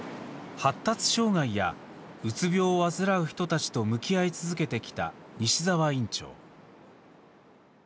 発達障害やうつ病を患う人たちと向き合い続けてきた西澤院長。